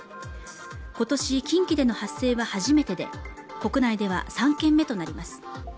今年、近畿での発生は初めてで、国内では３県目となります。